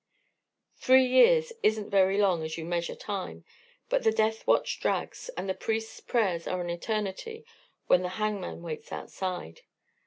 "Three years isn't very long as you measure time, but the death watch drags, and the priest's prayers are an eternity when the hangman waits outside.